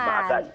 gitu lho mbak